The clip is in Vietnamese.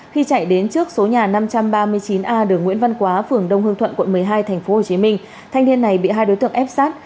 khi chạy đến trước số nhà năm trăm ba mươi chín a đường nguyễn văn quá phường đông hương thuận quận một mươi hai tp hcm thanh niên này bị hai đối tượng ép sát